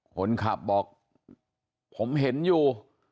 คนขับบอกผมเห็นอยู่